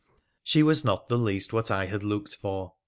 She was not the least what I had looked for.